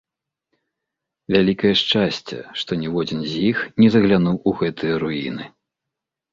Вялікае шчасце, што ніводзін з іх не заглянуў у гэтыя руіны.